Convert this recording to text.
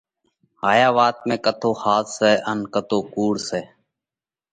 هايا وات ۾ ڪتو ۿاس سئہ ان ڪتو ڪُوڙ سئہ،